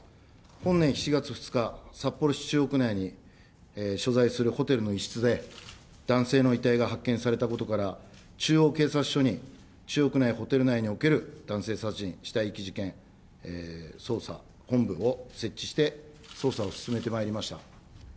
本年７月２日、札幌市中央区内に所在するホテルの一室で、男性の遺体が発見されたことから、中央警察署に、中央区内ホテル内における男性殺人死体遺棄事件捜査本部を設置して、捜査を進めてまいりました。